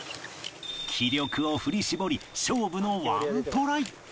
気力を振り絞り勝負の１トライ